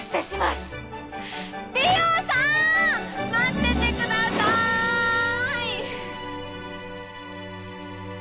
待っててください！